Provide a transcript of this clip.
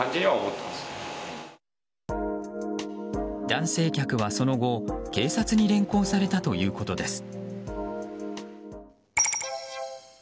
男性客はその後警察に連行されたということです。